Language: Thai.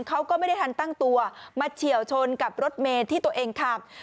เขาก็ไม่ได้ทันตั้งตัวมาเฉียวชนกับรถเมย์ที่ตัวเองขับ